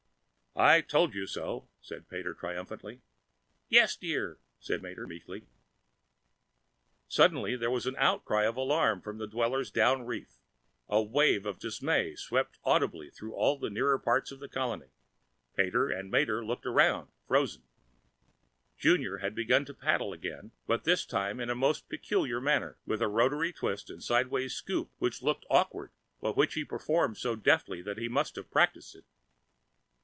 "I told you so!" said Pater triumphantly. "Yes, dear...." said Mater meekly. Suddenly there were outcries of alarm from the dwellers down reef. A wave of dismay swept audibly through all the nearer part of the colony. Pater and Mater looked around, and froze. Junior had begun paddling again, but this time in a most peculiar manner with a rotary twist and sidewise scoop which looked awkward, but which he performed so deftly that he must have practiced it.